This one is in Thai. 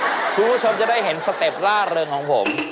คุณผู้ชมจะได้เห็นสเต็ปล่าเริงของผม